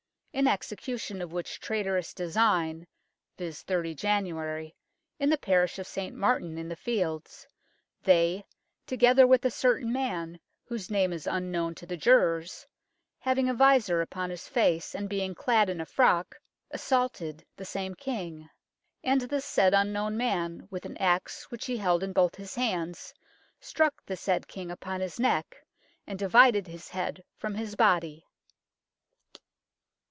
In execution of which traitorous design, viz. 30 January, in the parish of St Martin in the Fields, they, together with a certain man, whose name is un known to the jurors, having a visor upon his face and being clad hi a frock, assaulted the same King ; and the said unknown man, with an axe which he held in both his hands, struck the said King upon his neck, and divided his head from his body."